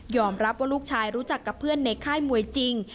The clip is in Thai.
รับว่าลูกชายรู้จักกับเพื่อนในค่ายมวยจริง